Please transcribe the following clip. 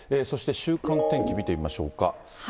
そして、週間天気見てみましょうか。